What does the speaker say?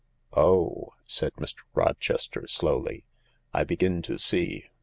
" Oh," said Mr. Rochester slowly, " I begin to see.